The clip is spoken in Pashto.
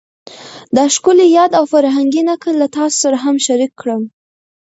دا ښکلی یاد او فرهنګي نکل له تاسو سره هم شریک کړم